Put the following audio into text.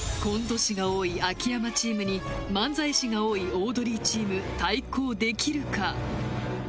コント師が多い秋山チームに漫才師が多いオードリーチーム対抗できるか？